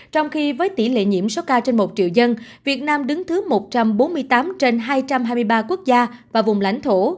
trong khi với tỷ lệ nhiễm số ca trên một triệu dân việt nam đứng thứ một trăm bốn mươi tám trên hai trăm hai mươi ba quốc gia và vùng lãnh thổ